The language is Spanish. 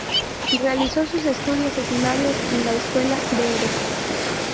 Realizó sus estudios secundarios en la escuela Dr.